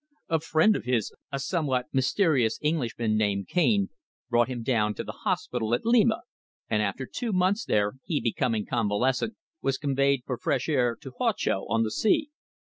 A friend of his, a somewhat mysterious Englishman named Cane, brought him down to the hospital at Lima, and after two months there, he becoming convalescent, was conveyed for fresh air to Huacho, on the sea.